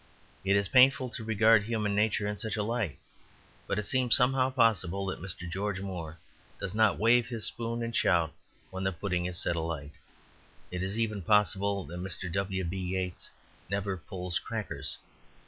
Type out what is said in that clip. It is painful to regard human nature in such a light, but it seems somehow possible that Mr. George Moore does not wave his spoon and shout when the pudding is set alight. It is even possible that Mr. W. B. Yeats never pulls crackers.